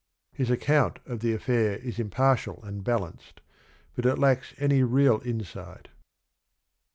'* His account of the affair is impartial and balanced, but it lacks any real insight.